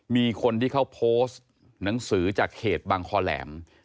มีคนที่เขาโพสต์หนังสือจากเขตบางคอแหลม